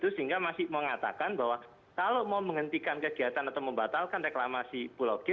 sehingga masih mengatakan bahwa kalau mau menghentikan kegiatan atau membatalkan reklamasi pulau g